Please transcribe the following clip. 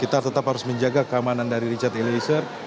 kita tetap harus menjaga keamanan dari richard eliezer